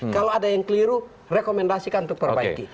kalau ada yang keliru rekomendasikan untuk perbaiki